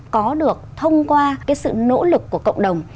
có được thông qua cái sự nỗ lực của cộng đồng